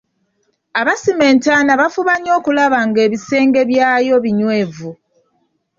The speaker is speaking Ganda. Abasima entaana bafuba nnyo okulaba nga ebisenge byayo binywevu.